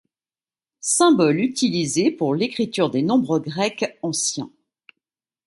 Symboles utilisés pour l'écriture des nombres grecs anciens.